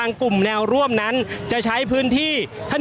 ก็น่าจะมีการเปิดทางให้รถพยาบาลเคลื่อนต่อไปนะครับ